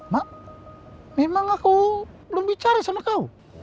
mak memang aku belum bicara sama kau